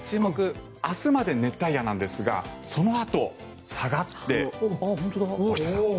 明日まで熱帯夜なんですがそのあと、下がって大下さん